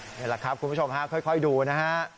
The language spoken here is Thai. นี่แหละครับคุณผู้ชมฮะค่อยดูนะฮะ